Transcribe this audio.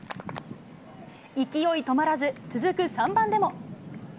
勢い止まらず、続く３番でも。